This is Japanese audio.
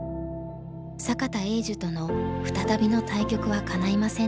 坂田栄寿との再びの対局はかないませんでした。